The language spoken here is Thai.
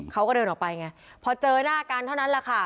เขาก็เดินออกไปไงพอเจอหน้ากันเท่านั้นแหละค่ะ